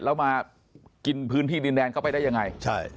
แล้วมากินพื้นที่ดินแดนเข้าไปได้ยังไงใช่